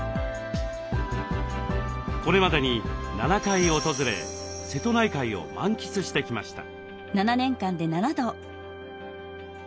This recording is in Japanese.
これまでに７回訪れ瀬戸内海を満喫してきました。